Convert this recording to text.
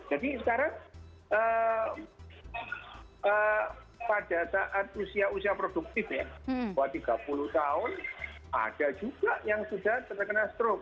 jadi sekarang pada saat usia usia produktif ya buat tiga puluh tahun ada juga yang sudah terkena struk